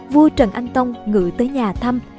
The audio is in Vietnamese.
vua trần anh tông ngự tới nhà thăm